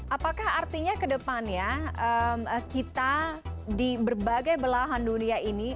apakah artinya ke depannya kita di berbagai belahan dunia ini